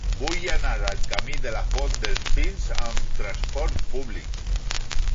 Vull anar al camí de la Font dels Pins amb trasport públic.